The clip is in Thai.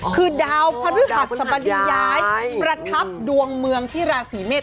คือดาวภาพสมดิย้ายประทับดวงเมืองที่ราศีเมฆ